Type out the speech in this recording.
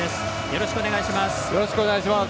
よろしくお願いします。